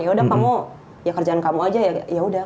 yaudah kamu ya kerjaan kamu aja yaudah